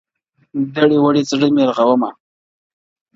o دړي وړي زړه مي رغومه نور ,